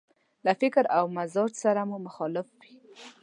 له فکر او مزاج سره مو مخالف وي.